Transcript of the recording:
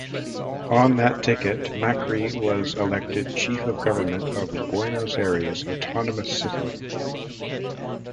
On that ticket, Macri was elected Chief of government of Buenos Aires Autonomous City.